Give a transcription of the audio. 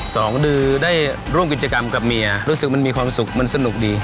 สองดือได้ร่วมกิจกรรมกับเมียรู้สึกมันมีความสุขมันสนุกดี